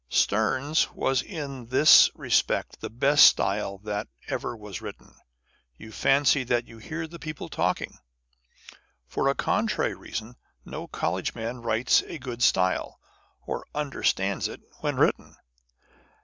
Sterne's was in this re spect the best style that ever was written. You fancy that you hear the people talking. For a contrary reason, no college man writes a good style, or understands it when written.